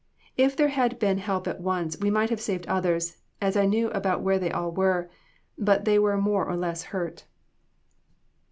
If there had been help at once, we might have saved others, as I knew about where they all were, but they were more or less hurt."